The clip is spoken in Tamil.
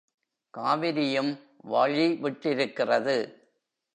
காவிரியும் வழி விட்டிருக்கிறது.